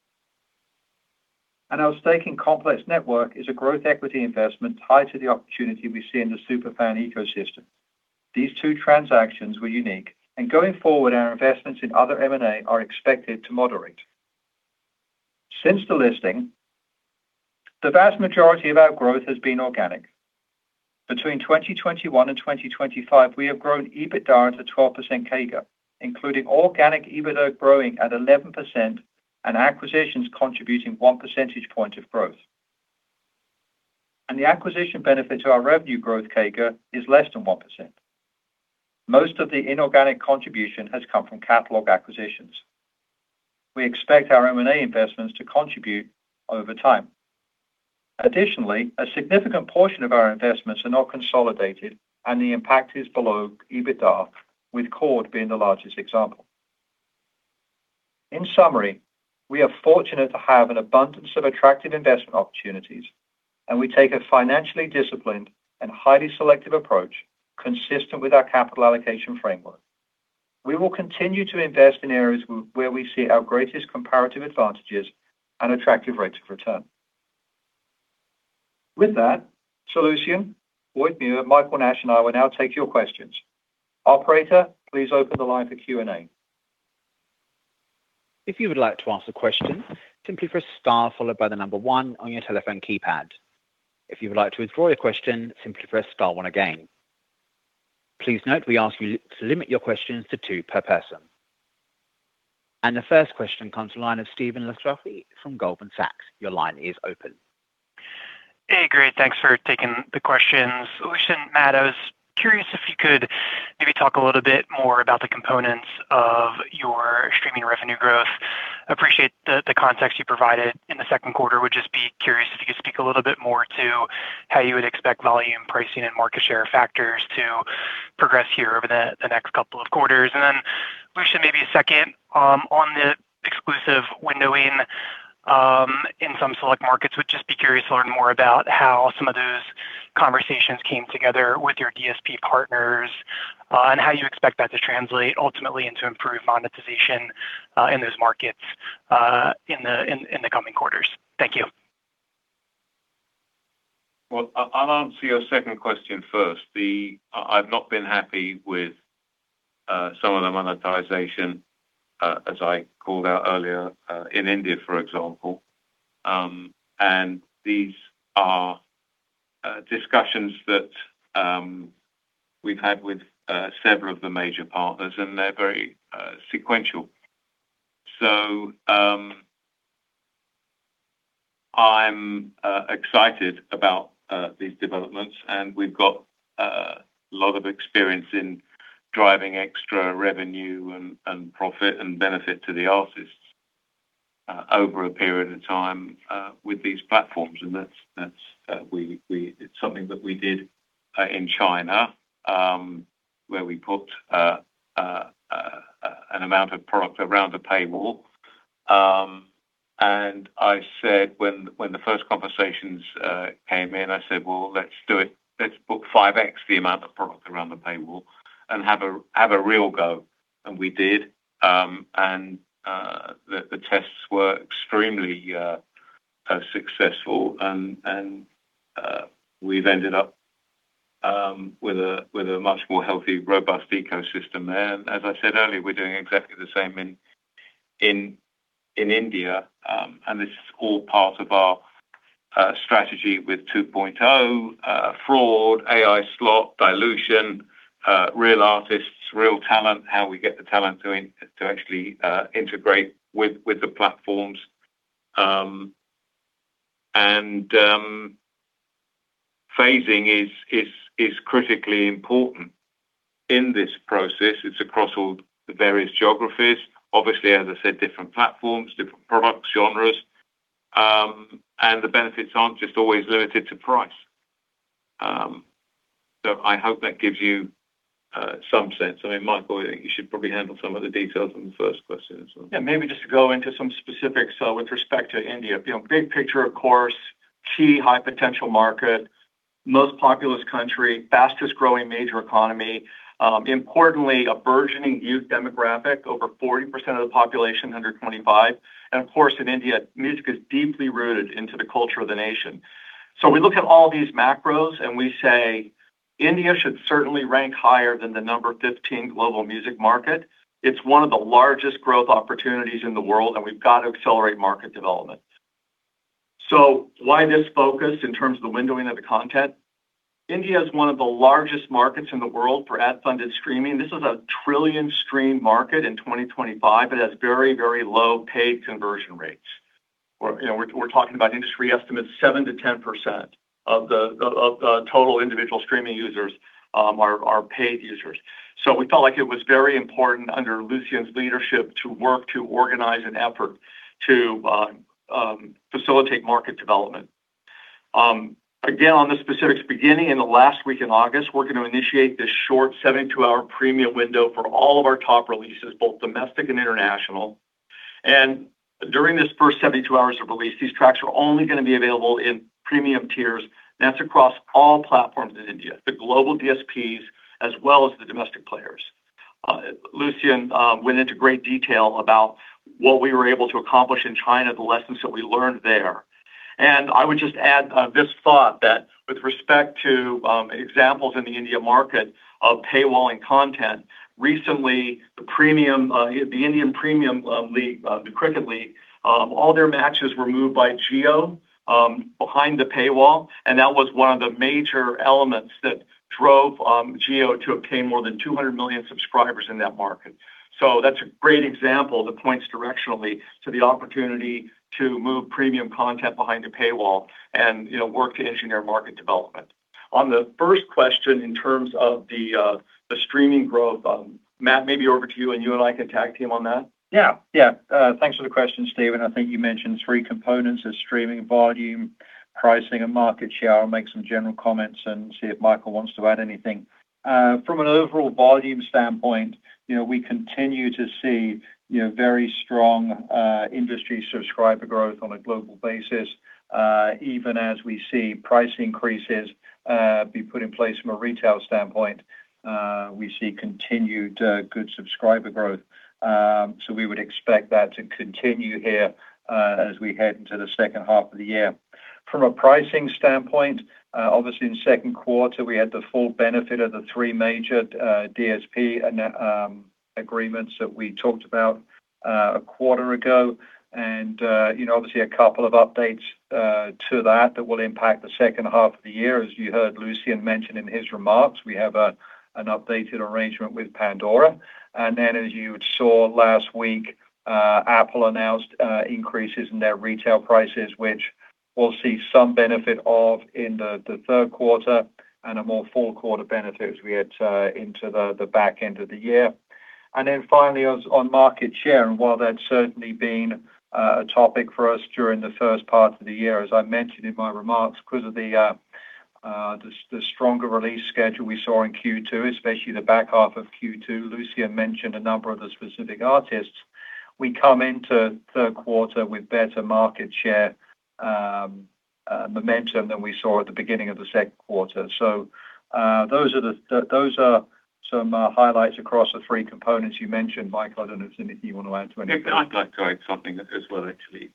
Our stake in Complex Networks is a growth equity investment tied to the opportunity we see in the super fan ecosystem. These two transactions were unique, and going forward, our investments in other M&A are expected to moderate. Since the listing, the vast majority of our growth has been organic. Between 2021 and 2025, we have grown EBITDA at a 12% CAGR, including organic EBITDA growing at 11% and acquisitions contributing one percentage point of growth. The acquisition benefit to our revenue growth CAGR is less than 1%. Most of the inorganic contribution has come from catalog acquisitions. We expect our M&A investments to contribute over time. Additionally, a significant portion of our investments are not consolidated, and the impact is below EBITDA, with Chord being the largest example. In summary, we are fortunate to have an abundance of attractive investment opportunities, and we take a financially disciplined and highly selective approach consistent with our capital allocation framework. We will continue to invest in areas where we see our greatest comparative advantages and attractive rates of return. With that, Lucian, Boyd Muir, Michael Nash, and I will now take your questions. Operator, please open the line for Q&A. If you would like to ask a question, simply press star, followed by the number one on your telephone keypad. If you would like to withdraw your question, simply press star one again. Please note we ask you to limit your questions to two per person. The first question comes to the line of Stephen LaTrouffe from Goldman Sachs. Your line is open. Hey, great. Thanks for taking the questions. Lucian, Matt, I was curious if you could maybe talk a little bit more about the components of your streaming revenue growth. Appreciate the context you provided in the second quarter. Would just be curious if you could speak a little bit more to how you would expect volume pricing and market share factors to progress here over the next couple of quarters. Then Lucian, maybe a second on the exclusive windowing in some select markets. Would just be curious to learn more about how some of those conversations came together with your DSP partners, and how you expect that to translate ultimately into improved monetization in those markets in the coming quarters. Thank you. Well, I'll answer your second question first. I've not been happy with some of the monetization, as I called out earlier, in India, for example. These are discussions that we've had with several of the major partners, and they're very sequential. I'm excited about these developments and we've got a lot of experience in driving extra revenue and profit and benefit to the artists over a period of time with these platforms. It's something that we did in China, where we put an amount of product around a paywall. I said, when the first conversations came in, I said, "Well, let's do it. Let's book 5x the amount of product around the paywall and have a real go." We did, and the tests were extremely successful. We've ended up with a much more healthy, robust ecosystem there. As I said earlier, we're doing exactly the same in India. This is all part of our strategy with 2.0, fraud, AI slop, dilution, real artists, real talent, how we get the talent to actually integrate with the platforms. Phasing is critically important in this process. It's across all the various geographies. Obviously, as I said, different platforms, different products, genres, and the benefits aren't just always limited to price. I hope that gives you some sense. Michael, you should probably handle some of the details on the first question as well. Maybe just to go into some specifics with respect to India. Big picture, of course, key high potential market, most populous country, fastest growing major economy. Importantly, a burgeoning youth demographic, over 40% of the population under 25. Of course, in India, music is deeply rooted into the culture of the nation. We look at all these macros and we say India should certainly rank higher than the number 15 global music market. It's one of the largest growth opportunities in the world, and we've got to accelerate market development. Why this focus in terms of the windowing of the content? India is one of the largest markets in the world for ad-funded streaming. This is a trillion-stream market in 2025. It has very, very low paid conversion rates. We're talking about industry estimates, 7%-10% of the total individual streaming users are paid users. We felt like it was very important under Lucian's leadership to work to organize an effort to facilitate market development. Again, on the specifics, beginning in the last week in August, we're going to initiate this short 72-hour premium window for all of our top releases, both domestic and international. During this first 72 hours of release, these tracks are only going to be available in premium tiers, and that's across all platforms in India, the global DSPs, as well as the domestic players. Lucian went into great detail about what we were able to accomplish in China, the lessons that we learned there. I would just add this thought that with respect to examples in the India market of paywall and content, recently the Indian premium cricket league, all their matches were moved by Jio behind the paywall, and that was one of the major elements that drove Jio to obtain more than 200 million subscribers in that market. That's a great example that points directionally to the opportunity to move premium content behind a paywall and work to engineer market development. On the first question, in terms of the streaming growth, Matt, maybe over to you and you and I can tag team on that. Yeah. Thanks for the question, Stephen. I think you mentioned three components of streaming volume, pricing, and market share. I'll make some general comments and see if Michael wants to add anything. From an overall volume standpoint, we continue to see very strong industry subscriber growth on a global basis, even as we see price increases. Be put in place from a retail standpoint. We see continued good subscriber growth. We would expect that to continue here as we head into the second half of the year. From a pricing standpoint, obviously in the second quarter, we had the full benefit of the three major DSP agreements that we talked about a quarter ago. Obviously, a couple of updates to that that will impact the second half of the year. As you heard Lucian mention in his remarks, we have an updated arrangement with Pandora. Then, as you saw last week, Apple announced increases in their retail prices, which we'll see some benefit of in the third quarter and a more full quarter benefit as we get into the back end of the year. Finally, on market share, while that's certainly been a topic for us during the first part of the year, as I mentioned in my remarks, because of the stronger release schedule we saw in Q2, especially the back half of Q2, Lucian mentioned a number of the specific artists. We come into the third quarter with better market share momentum than we saw at the beginning of the second quarter. Those are some highlights across the three components you mentioned, Mike. I don't know if there's anything you want to add to any of those. I'd like to add something as well, actually.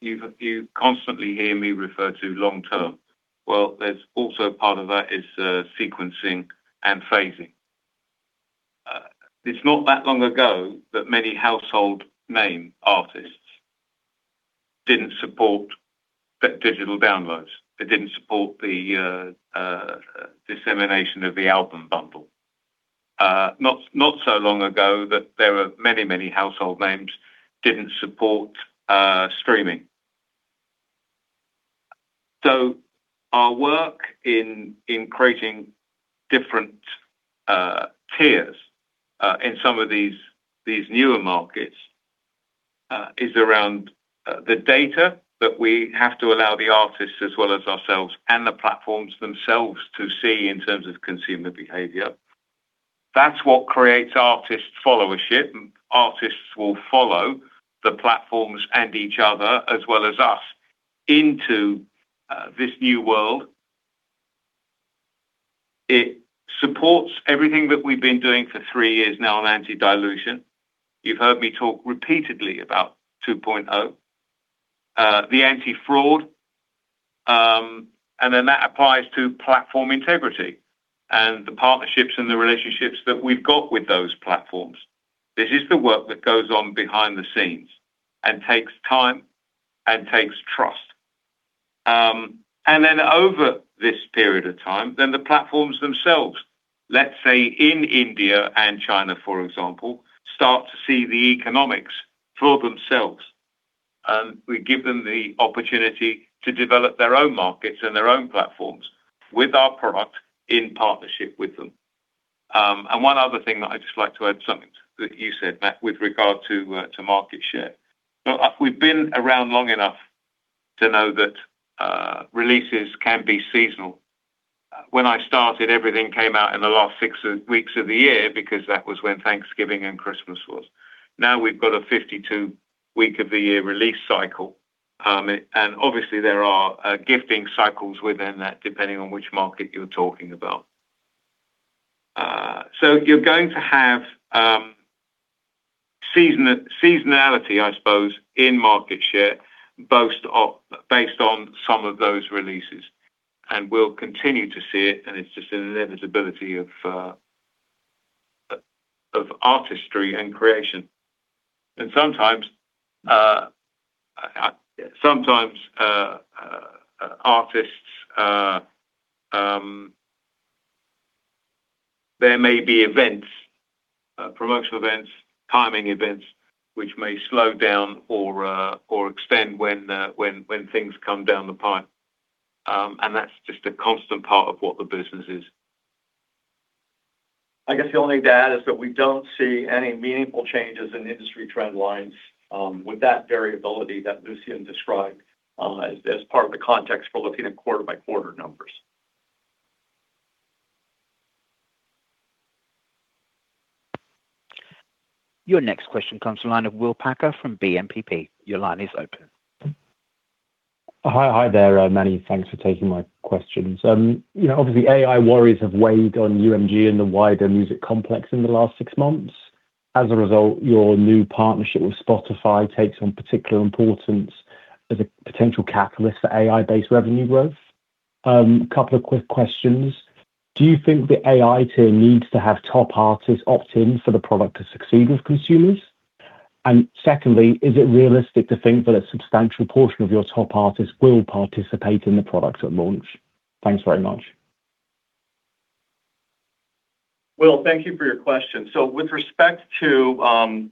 You constantly hear me refer to long-term. There's also part of that is sequencing and phasing. It's not that long ago that many household name artists didn't support digital downloads. They didn't support the dissemination of the album bundle. Not so long ago that there were many household names that didn't support streaming. Our work in creating different tiers in some of these newer markets is around the data that we have to allow the artists as well as ourselves and the platforms themselves to see in terms of consumer behavior. That's what creates artist followership. Artists will follow the platforms and each other as well as us into this new world. It supports everything that we've been doing for three years now on anti-dilution. You've heard me talk repeatedly about 2.0, the anti-fraud. That applies to platform integrity and the partnerships and the relationships that we've got with those platforms. This is the work that goes on behind the scenes and takes time and takes trust. Over this period of time, the platforms themselves, let's say in India and China, for example, start to see the economics for themselves. We give them the opportunity to develop their own markets and their own platforms with our product in partnership with them. One other thing that I'd just like to add something to that you said, Matt, with regard to market share. We've been around long enough to know that releases can be seasonal. When I started, everything came out in the last six weeks of the year because that was when Thanksgiving and Christmas was. Now we've got a 52-week of the year release cycle. Obviously, there are gifting cycles within that, depending on which market you're talking about. You're going to have seasonality, I suppose, in market share based on some of those releases. We'll continue to see it, and it's just an inevitability of artistry and creation. Sometimes, artists, there may be events, promotional events, timing events, which may slow down or extend when things come down the pipe. That's just a constant part of what the business is. I guess the only thing to add is that we don't see any meaningful changes in industry trend lines with that variability that Lucian described as part of the context for looking at quarter-by-quarter numbers. Your next question comes from the line of Will Packer from BNPP. Your line is open. Hi there, many. Thanks for taking my questions. AI worries have weighed on UMG and the wider music complex in the last six months. As a result, your new partnership with Spotify takes on particular importance as a potential catalyst for AI-based revenue growth. A couple of quick questions. Do you think the AI tier needs to have top artists opt in for the product to succeed with consumers? Secondly, is it realistic to think that a substantial portion of your top artists will participate in the product at launch? Thanks very much. Will, thank you for your question. With respect to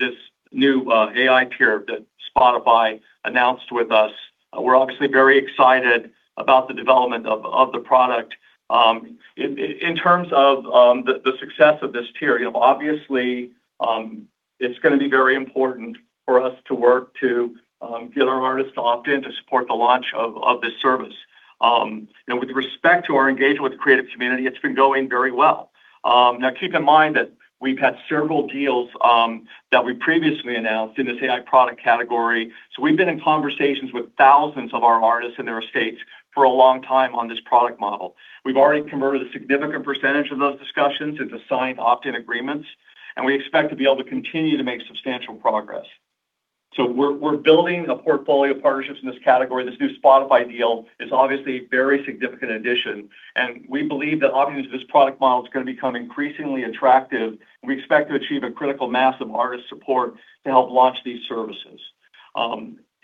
this new AI tier that Spotify announced with us, we're obviously very excited about the development of the product. In terms of the success of this tier, obviously, it's going to be very important for us to work to get our artists to opt in to support the launch of this service. With respect to our engagement with the creative community, it's been going very well. Now keep in mind that we've had several deals that we previously announced in this AI product category. We've been in conversations with thousands of our artists and their estates for a long time on this product model. We've already converted a significant percentage of those discussions into signed opt-in agreements, and we expect to be able to continue to make substantial progress. We're building a portfolio of partnerships in this category. This new Spotify deal is obviously a very significant addition, and we believe that obviously this product model is going to become increasingly attractive, and we expect to achieve a critical mass of artist support to help launch these services.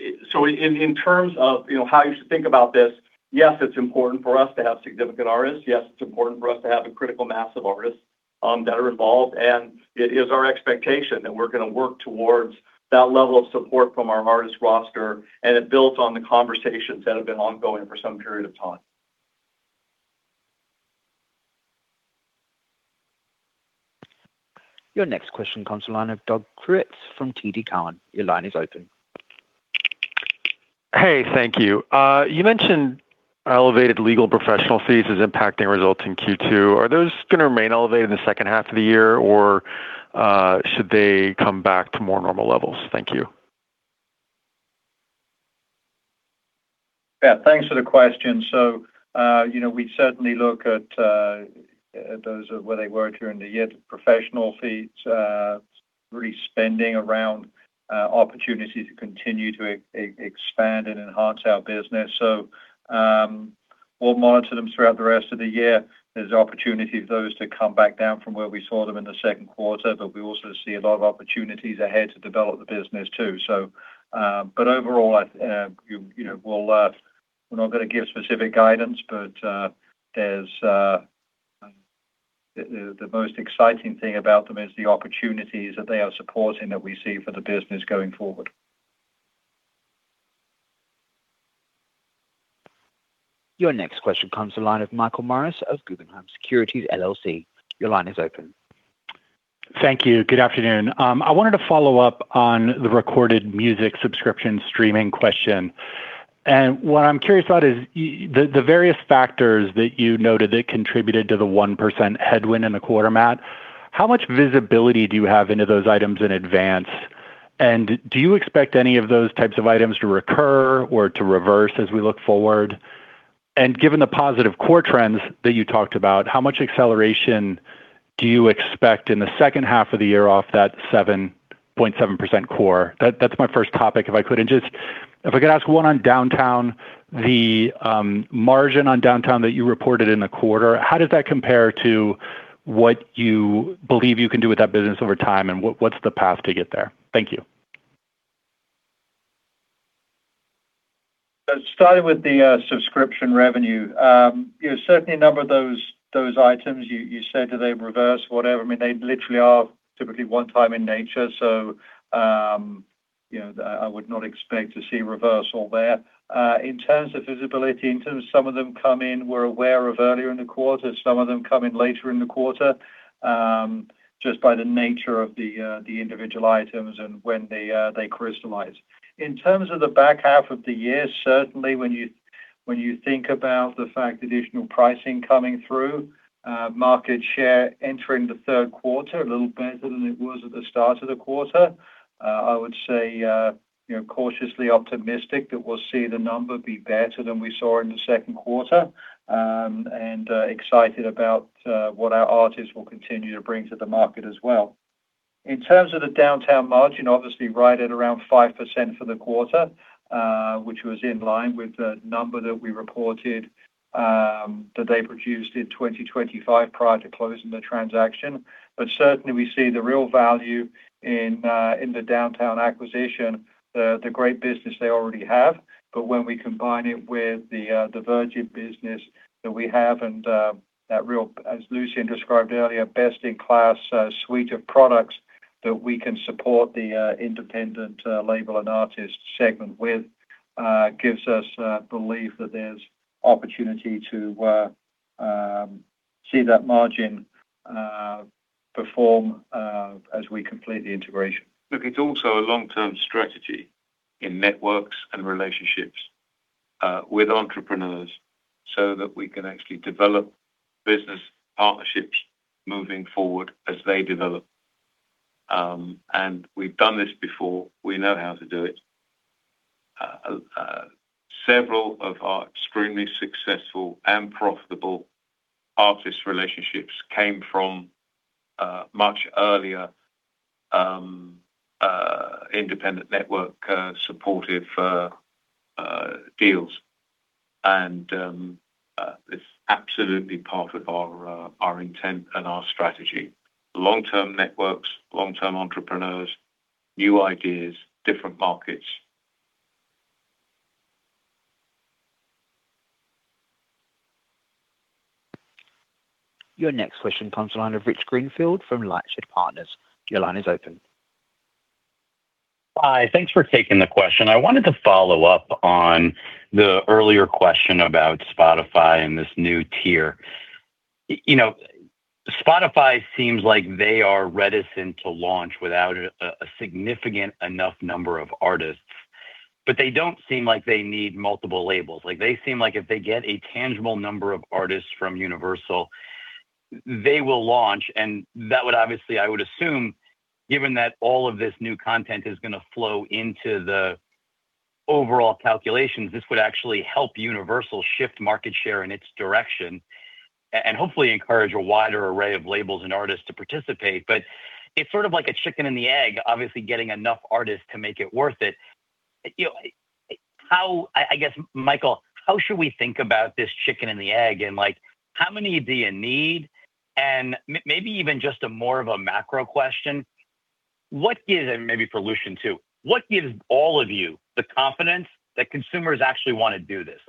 In terms of how you should think about this, yes, it's important for us to have significant artists. Yes, it's important for us to have a critical mass of artists that are involved, and it is our expectation that we're going to work towards that level of support from our artist roster, and it builds on the conversations that have been ongoing for some period of time. Your next question comes to the line of Doug Creutz from TD Cowen. Your line is open. Hey, thank you. You mentioned elevated legal professional fees is impacting results in Q2. Are those going to remain elevated in the second half of the year, or should they come back to more normal levels? Thank you. Yeah, thanks for the question. We certainly look at those, where they were during the year. Professional fees, really spending around opportunities to continue to expand and enhance our business. We'll monitor them throughout the rest of the year. There's opportunity for those to come back down from where we saw them in the second quarter, but we also see a lot of opportunities ahead to develop the business too. Overall, we're not going to give specific guidance, but the most exciting thing about them is the opportunities that they are supporting that we see for the business going forward. Your next question comes to the line of Michael Morris of Guggenheim Securities, LLC. Your line is open. Thank you. Good afternoon. I wanted to follow up on the recorded music subscription streaming question. What I'm curious about is the various factors that you noted that contributed to the 1% headwind in the quarter, Matt. How much visibility do you have into those items in advance, and do you expect any of those types of items to recur or to reverse as we look forward? Given the positive core trends that you talked about, how much acceleration do you expect in the second half of the year off that 7.7% core? That's my first topic. If I could ask one on Downtown, the margin on Downtown that you reported in the quarter, how does that compare to what you believe you can do with that business over time and what's the path to get there? Thank you. Starting with the subscription revenue. Certainly a number of those items, you say, do they reverse, whatever? They literally are typically one-time in nature. I would not expect to see reversal there. In terms of visibility, in terms of some of them come in, we're aware of earlier in the quarter, some of them come in later in the quarter, just by the nature of the individual items and when they crystallize. In terms of the back half of the year, certainly when you think about the fact additional pricing coming through, market share entering the third quarter a little better than it was at the start of the quarter. I would say, cautiously optimistic that we'll see the number be better than we saw in the second quarter, and excited about what our artists will continue to bring to the market as well. In terms of the Downtown margin, obviously right at around 5% for the quarter, which was in line with the number that we reported that they produced in 2025 prior to closing the transaction. Certainly, we see the real value in the Downtown acquisition, the great business they already have. When we combine it with the Virgin business that we have and that real, as Lucian described earlier, best-in-class suite of products that we can support the independent label and artist segment with, gives us belief that there's opportunity to see that margin perform as we complete the integration. Look, it's also a long-term strategy in networks and relationships with entrepreneurs so that we can actually develop business partnerships moving forward as they develop. We've done this before. We know how to do it. Several of our extremely successful and profitable artist relationships came from much earlier independent network supportive deals, and it's absolutely part of our intent and our strategy. Long-term networks, long-term entrepreneurs, new ideas, different markets. Your next question comes to line of Rich Greenfield from LightShed Partners. Your line is open. Hi. Thanks for taking the question. I wanted to follow up on the earlier question about Spotify and this new tier. Spotify seems like they are reticent to launch without a significant enough number of artists. They don't seem like they need multiple labels. They seem like if they get a tangible number of artists from Universal, they will launch. That would obviously, I would assume, given that all of this new content is going to flow into the overall calculations, this would actually help Universal shift market share in its direction and hopefully encourage a wider array of labels and artists to participate. It's sort of like a chicken and the egg, obviously getting enough artists to make it worth it. I guess, Michael, how should we think about this chicken and the egg, and how many do you need? Maybe even just more of a macro question, and maybe for Lucian too, what gives all of you the confidence that consumers actually want to do this?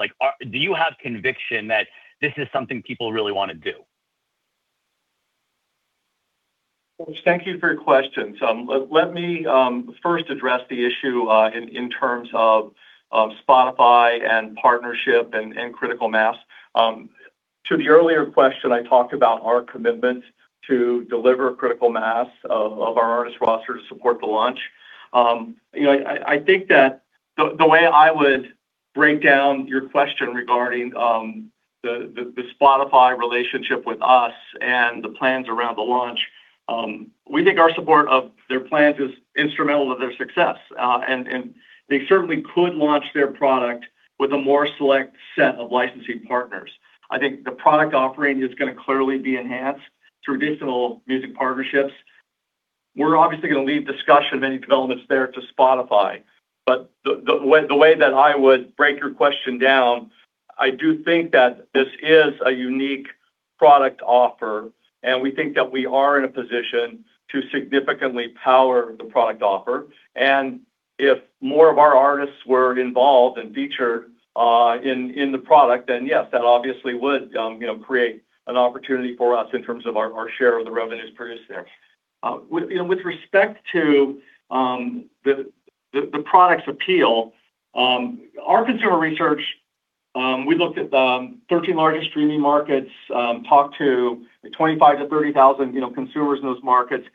Do you have conviction that this is something people really want to do? Thank you for your question. Let me first address the issue in terms of Spotify and partnership and critical mass. To the earlier question, I talked about our commitment to deliver critical mass of our artist roster to support the launch. I think that the way I would break down your question regarding the Spotify relationship with us and the plans around the launch, we think our support of their plans is instrumental to their success. They certainly could launch their product with a more select set of licensing partners. I think the product offering is going to clearly be enhanced through additional music partnerships. We're obviously going to leave discussion of any developments there to Spotify. The way that I would break your question down, I do think that this is a unique product offer, and we think that we are in a position to significantly power the product offer. If more of our artists were involved and featured in the product, then yes, that obviously would create an opportunity for us in terms of our share of the revenues produced there. With respect to the product's appeal, our consumer research, we looked at the 13 largest streaming markets, talked to 25,000-30,000 consumers in those markets.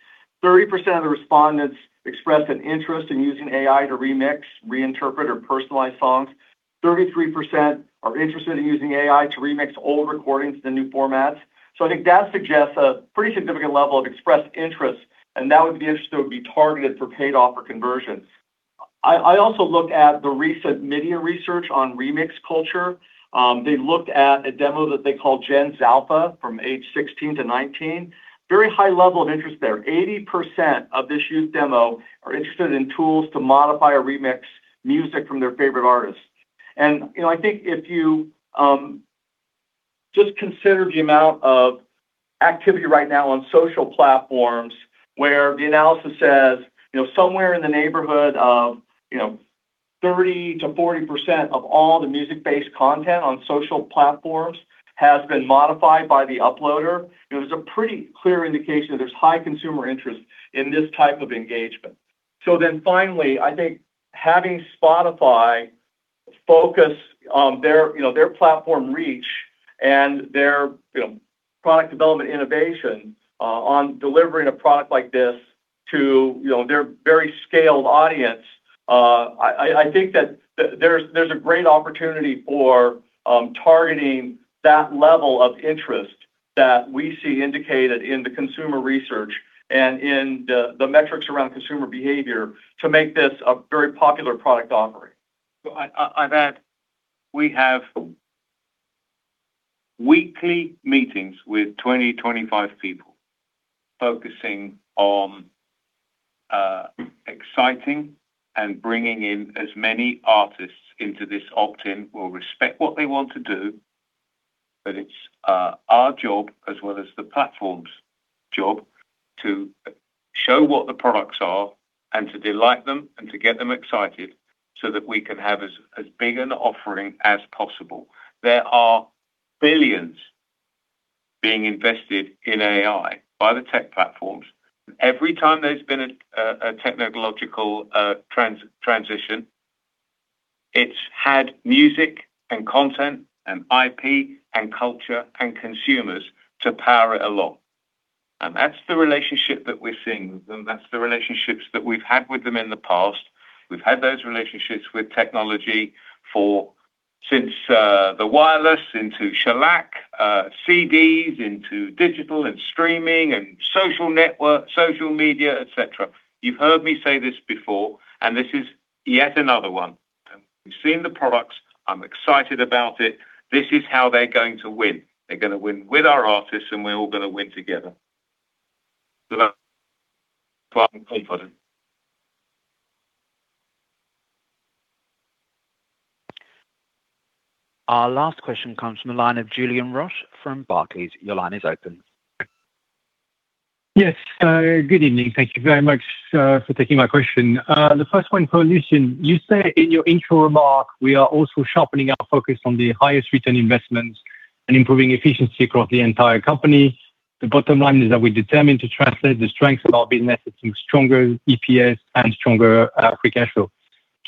30% of the respondents expressed an interest in using AI to remix, reinterpret, or personalize songs. 33% are interested in using AI to remix old recordings to the new formats. I think that suggests a pretty significant level of expressed interest, and that would be interest that would be targeted for paid offer conversions. I also look at the recent media research on remix culture. They looked at a demo that they call Gen Zalpha from age 16-19. Very high level of interest there. 80% of this youth demo are interested in tools to modify or remix music from their favorite artists. I think if you just consider the amount of activity right now on social platforms where the analysis says somewhere in the neighborhood of 30%-40% of all the music-based content on social platforms has been modified by the uploader, it is a pretty clear indication that there's high consumer interest in this type of engagement. Finally, I think having Spotify focus their platform reach and their product development innovation on delivering a product like this to their very scaled audience, I think that there's a great opportunity for targeting that level of interest that we see indicated in the consumer research and in the metrics around consumer behavior to make this a very popular product offering. I'd add we have weekly meetings with 20, 25 people focusing on exciting and bringing in as many artists into this opt-in. We'll respect what they want to do, but it's our job as well as the platform's job to show what the products are and to delight them and to get them excited so that we can have as big an offering as possible. There are billions being invested in AI by the tech platforms. Every time there's been a technological transition, it's had music and content and IP and culture and consumers to power it along. That's the relationship that we're seeing with them. That's the relationships that we've had with them in the past. We've had those relationships with technology since the wireless into shellac, CDs into digital and streaming and social network, social media, et cetera. You've heard me say this before, this is yet another one. We've seen the products. I'm excited about it. This is how they're going to win. They're going to win with our artists and we're all going to win together. Our last question comes from the line of Julien Roch from Barclays. Your line is open. Yes. Good evening. Thank you very much for taking my question. The first one for Lucian. You said in your intro remark, "We are also sharpening our focus on the highest return investments and improving efficiency across the entire company. The bottom line is that we're determined to translate the strengths of our business into stronger EPS and stronger free cash flow."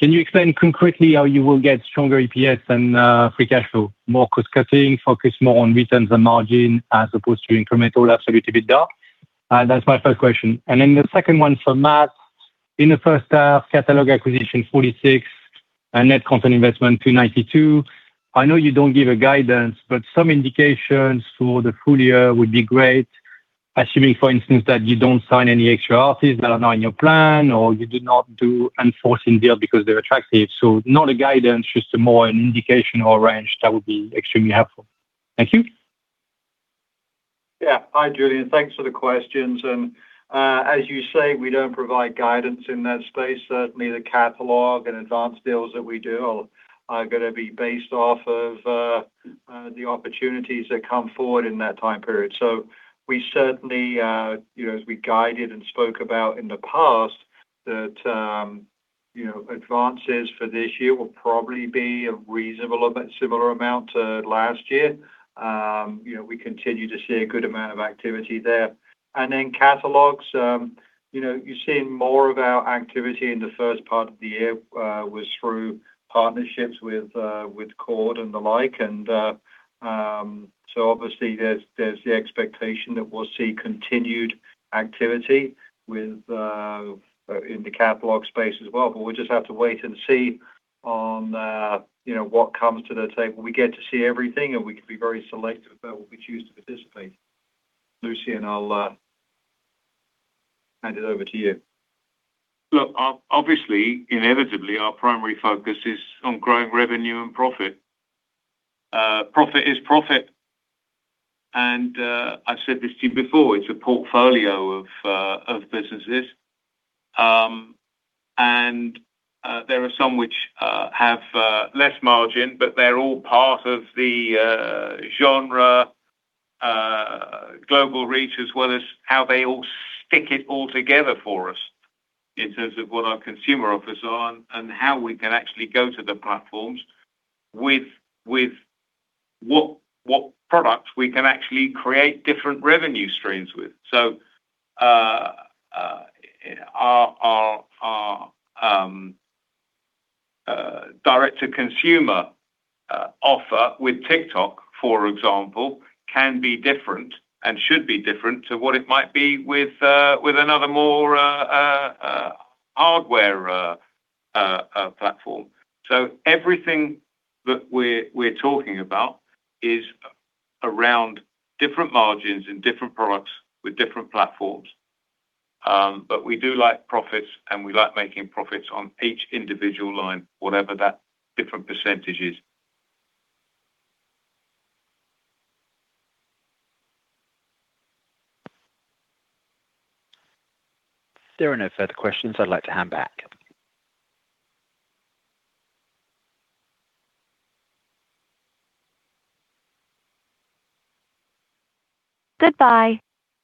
Can you explain concretely how you will get stronger EPS and free cash flow? More cost-cutting, focus more on returns and margin as opposed to incremental absolute EBITDA? That's my first question. The second one for Matt, in the first half, catalog acquisition 46 and net content investment 292. I know you don't give a guidance, but some indications for the full year would be great. Assuming, for instance, that you don't sign any extra artists that are not in your plan or you do not do unforeseen deal because they're attractive. Not a guidance, just a more an indication or range that would be extremely helpful. Thank you. Yeah. Hi, Julien. Thanks for the questions. As you say, we don't provide guidance in that space. Certainly, the catalog and advance deals that we do are going to be based off of the opportunities that come forward in that time period. We certainly, as we guided and spoke about in the past that advances for this year will probably be a reasonable amount, similar amount to last year. We continue to see a good amount of activity there. Then catalogs, you're seeing more of our activity in the first part of the year was through partnerships with Chord and the like. Obviously, there's the expectation that we'll see continued activity in the catalog space as well. We'll just have to wait and see on what comes to the table. We get to see everything, we can be very selective about what we choose to participate. Lucian, I'll hand it over to you. Look, obviously, inevitably, our primary focus is on growing revenue and profit. Profit is profit, and I've said this to you before, it's a portfolio of businesses. There are some which have less margin, but they're all part of the genre, global reach as well as how they all stick it all together for us in terms of what our consumer offers are and how we can actually go to the platforms with what products we can actually create different revenue streams with. Our direct-to-consumer offer with TikTok, for example, can be different and should be different to what it might be with another more hardware platform. Everything that we're talking about is around different margins and different products with different platforms. We do like profits, and we like making profits on each individual line, whatever that different percentage is. If there are no further questions, I'd like to hand back.